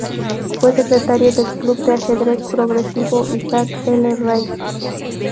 Fue secretario del Club de Ajedrez Progresivo Issac L. Rice.